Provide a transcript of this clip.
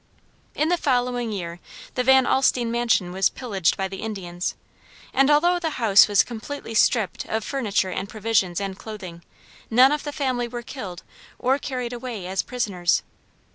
In the following year the Van Alstine mansion was pillaged by the Indians, and although the house was completely stripped of furniture and provisions and clothing, none of the family were killed or carried away as prisoners.